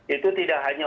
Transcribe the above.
itu tidak hanya